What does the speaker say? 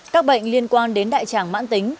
các bệnh liên quan đến đại tràng mãn tính